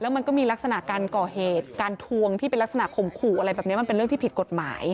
มันก็มีลักษณะการก่อเหตุการทวงที่เป็นลักษณะข่มขู่อะไรแบบนี้มันเป็นเรื่องที่ผิดกฎหมาย